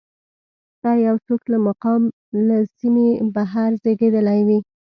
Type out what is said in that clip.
که یو څوک له مقام له سیمې بهر زېږېدلی وي.